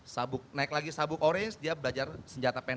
sabuk naik lagi sabuk orange dia belajar senjata pendek